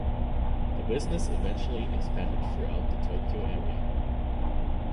The business eventually expanded throughout the Tokyo area.